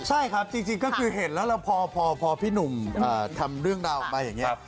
ใช่ครับจริงก็คือเห็นแล้วเราพอพี่หนุ่มทำเรื่องราวออกมาอย่างนี้